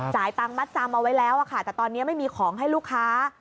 ตังมัดจำเอาไว้แล้วค่ะแต่ตอนนี้ไม่มีของให้ลูกค้า